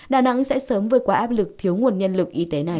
đà nẵng sẽ sớm vượt qua áp lực thiếu nguồn nhân lực y tế này